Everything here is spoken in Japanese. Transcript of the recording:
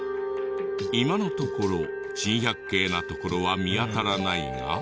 今のところ珍百景なところは見当たらないが。